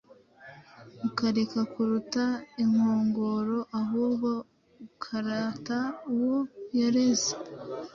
ukareka kurata inkongoro ahubwo ukarata uwo yareze.